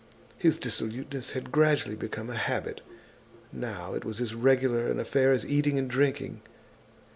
His dissoluteness had gradually become a habit. Now it was as regular an affair as eating and drinking.